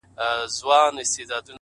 خپل ظرفیت وکاروئ تر څو وده وکړئ.!